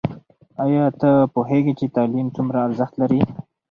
ایا ته پوهېږې چې تعلیم څومره ارزښت لري؟